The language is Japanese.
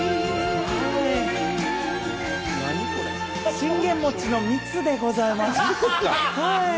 信玄餅の蜜でございます。